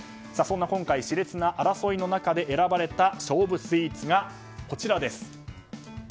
そんな今回熾烈な争いの中で選ばれた勝負スイーツがこちらです。